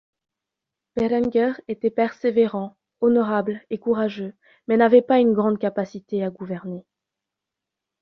Berenguer était persévérant, honorable et courageux mais n'avait pas une grande capacité à gouverner.